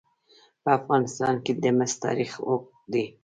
په افغانستان کې د مس تاریخ اوږد دی.